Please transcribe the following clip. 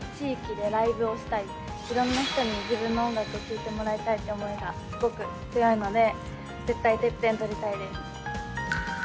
いろんな人に自分の音楽を聴いてもらいたいって思いがすごく強いので絶対ＴＥＰＰＥＮ取りたいです。